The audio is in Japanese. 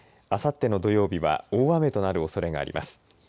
あさっての土曜日は大雨となるおそれがあります。